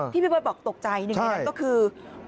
ที่พี่บ๊วยบอกตกใจหนึ่งกันก็คือใช่